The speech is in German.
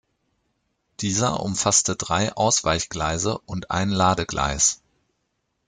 Dieser umfasste drei Ausweichgleise und ein Ladegleis.